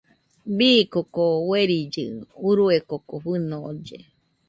Bii koko uerilli urue koko fɨnolle.